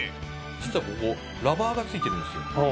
実はここラバーが付いてるんですよ。